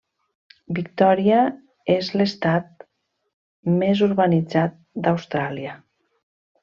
Victòria és l'estat més urbanitzat d'Austràlia.